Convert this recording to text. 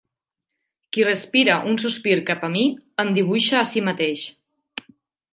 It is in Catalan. Qui respira un sospir cap a mi, em dibuixa a si mateix.